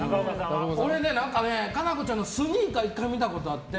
俺、加奈子ちゃんのスニーカー１回、見たことあって。